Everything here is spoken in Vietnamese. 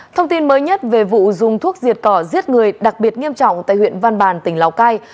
thông tin mới nhất về vụ dùng thuốc diệt cỏ giết người đặc biệt nghiêm trọng tại huyện văn bàn tỉnh lào cai